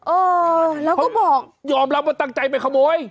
เออแล้วก็บอกยอมรับว่าตั้งใจไปขโมย